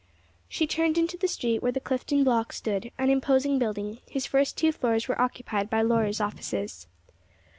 She turned into the street where the Clifton Block stood, an imposing building, whose first two floors were occupied by lawyers' offices.